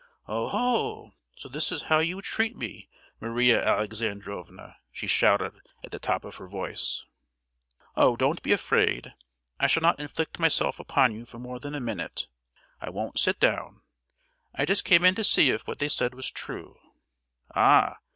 "Oho! so this is how you treat me, Maria Alexandrovna!" she shouted at the top of her voice. "Oh! don't be afraid, I shall not inflict myself upon you for more than a minute! I won't sit down. I just came in to see if what they said was true! Ah!